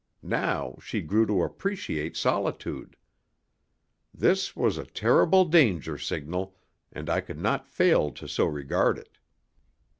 Now she grew to appreciate solitude. This was a terrible danger signal, and I could not fail to so regard it.